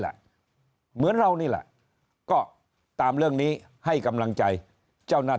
แหละเหมือนเรานี่แหละก็ตามเรื่องนี้ให้กำลังใจเจ้าหน้าที่